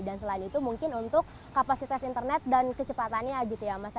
dan selain itu mungkin untuk kapasitas internet dan kecepatannya gitu ya mas